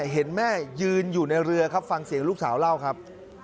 เห็นแม่ยืนอยู่ในเรือครับฟังเสียงลูกสาวเล่าครับ